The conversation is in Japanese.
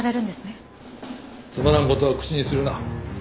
つまらん事は口にするな。